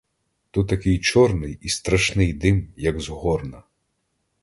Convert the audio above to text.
Та такий чорний і страшний дим, як з горна!